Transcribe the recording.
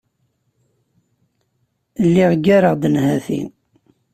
Lliɣ ggareɣ-d nnhati.